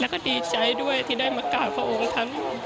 แล้วก็ดีใจด้วยที่ได้มากราบพระองค์ท่าน